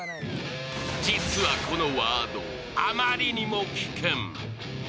実はこのワード、あまりにも危険。